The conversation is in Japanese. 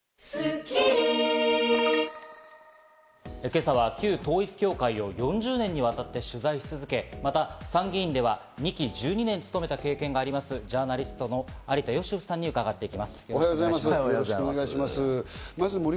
今朝は旧統一教会を４０年にわたって取材をし続け、また参議院では２期１２年務めた経験があります、ジャーナリストの有田芳生さんに伺っていきます。